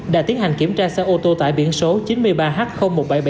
đã tiến hành kiểm tra xe ô tô tại biển số chín mươi ba h một nghìn bảy trăm bảy mươi chín